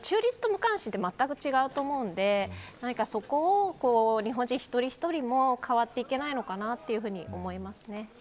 中立と無関心はまったく違うと思うのでそこを日本人、一人一人も変わっていけないのかな